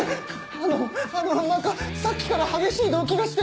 あのあの何かさっきから激しい動悸がして。